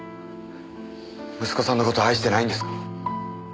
息子さんの事愛してないんですか？